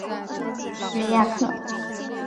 瑞亚克。